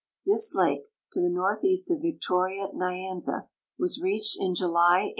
This lake, to tlie northeast of Victoria Nvanza, was reacbe<l in July, 1895.